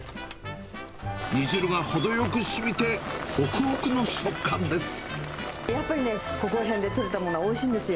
煮汁が程よくしみて、ほくほくのやっぱりね、ここら辺で取れたものはおいしいんですよ。